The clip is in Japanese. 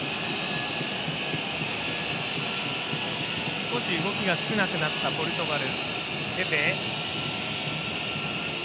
少し、動きが少なくなったポルトガル。